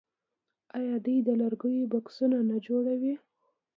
آیا دوی د لرګیو بکسونه نه جوړوي؟